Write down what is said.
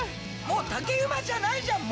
もう竹馬じゃないじゃん